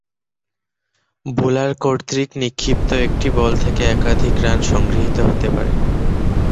Bowler কর্তৃক নিক্ষিপ্ত একটি বল থেকে একাধিক রান সংগৃহীত হতে পারে।